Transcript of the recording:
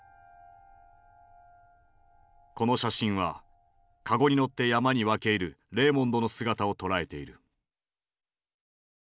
この写真はかごに乗って山に分け入るレーモンドの姿を捉えている。